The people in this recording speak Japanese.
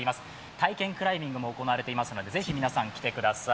体験クライミングもされてますのでぜひ、皆さん来てください